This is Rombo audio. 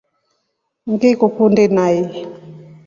Ngikukundi nai.